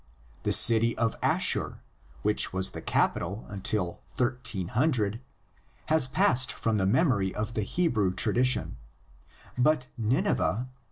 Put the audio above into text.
The city of Asshur, which was the capital until 1300, has passed from the memory of the Hebrew tradition; but Nineveh (x.